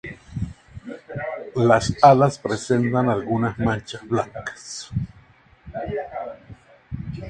Las alas presentan algunas manchas blancas.